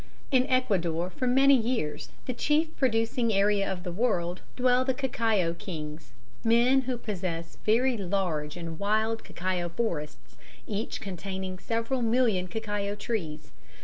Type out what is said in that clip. _ In Ecuador, for many years the chief producing area of the world, dwell the cacao kings, men who possess very large and wild cacao forests, each containing several million cacao trees.